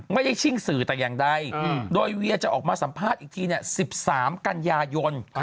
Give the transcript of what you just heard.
ยิ่งชิ่งสื่อแต่อย่างใดโดยเวียจะออกมาสัมภาษณ์อีกที๑๓กันยายน